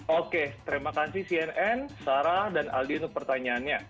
oke terima kasih cnn sarah dan aldi untuk pertanyaannya